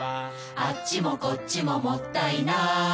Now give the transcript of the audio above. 「あっちもこっちももったいない」